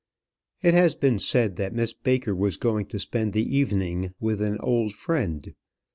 It has been said that Miss Baker was going to spend the evening with an old friend.